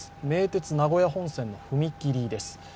名鉄名古屋本線の踏切です。